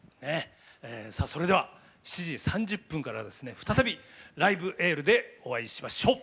それでは７時３０分から再び「ライブ・エール」でお会いしましょう。